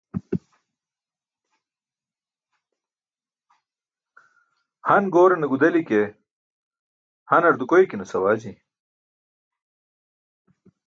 Han goorane gudeli ke, hanar dukoykinas awaji.